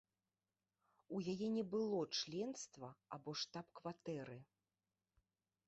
У яе не было членства або штаб-кватэры.